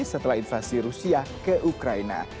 setelah invasi rusia ke ukraina